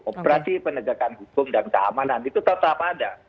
operasi penegakan hukum dan keamanan itu tetap ada